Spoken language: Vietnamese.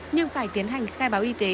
nhưng phải tiến hành khai báo y tế